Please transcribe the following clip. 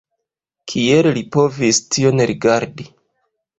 Kiel Li povis tion rigardi?!